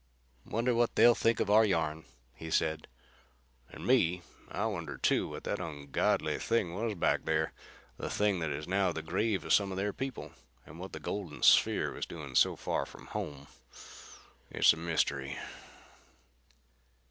"Wonder what they'll think of our yarn," he said. "And me. I wonder, too, what that ungodly thing was back there. The thing that is now the grave of some of their people. And what the golden sphere was doing so far from home. It's a mystery."